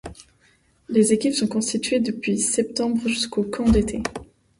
Les équipes sont constitués depuis septembre jusqu'au camp d'été.